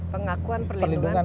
pengakuan perlindungan kehutanan